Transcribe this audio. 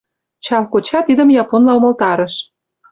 Чал коча тидым японла умылтарыш.